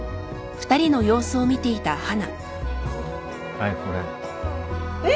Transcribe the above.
はいこれ。